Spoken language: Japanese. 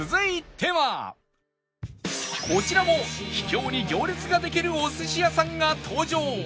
こちらも秘境に行列ができるお寿司屋さんが登場！